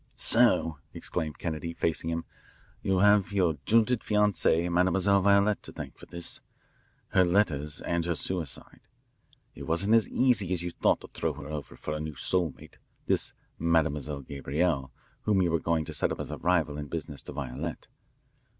"So," exclaimed Kennedy, facing him, "you have your jilted fiancee, Mademoiselle Violette, to thank for this her letters and her suicide. It wasn't as easy as you thought to throw her over for a new soul mate, this Mademoiselle Gabrielle whom you were going to set up as a rival in business to Violette.